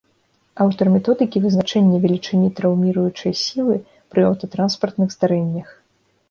Аўтар методыкі вызначэння велічыні траўміруючай сілы пры аўтатранспартных здарэннях.